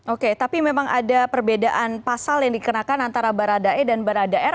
oke tapi memang ada perbedaan pasal yang dikenakan antara mbak radha e dan mbak radha m